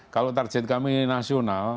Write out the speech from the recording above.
kalau target kami nasional